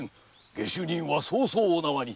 下手人は早々お縄に。